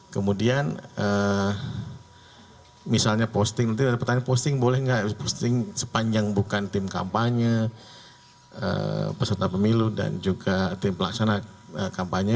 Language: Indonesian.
kemudian misalnya posting nanti ada pertanyaan posting boleh nggak posting sepanjang bukan tim kampanye peserta pemilu dan juga tim pelaksana kampanye